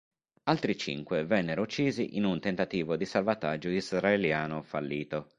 Altri cinque vennero uccisi in un tentativo di salvataggio israeliano fallito.